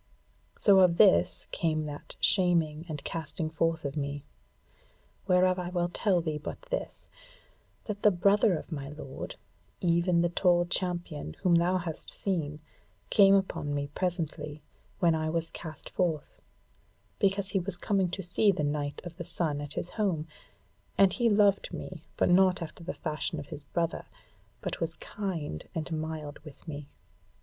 So of this came that shaming and casting forth of me. Whereof I will tell thee but this, that the brother of my lord, even the tall champion whom thou hast seen, came upon me presently, when I was cast forth; because he was coming to see the Knight of the Sun at his home; and he loved me, but not after the fashion of his brother, but was kind and mild with me.